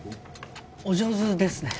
お上手ですね。